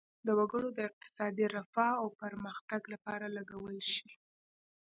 د وګړو د اقتصادي رفاه او پرمختګ لپاره لګول شي.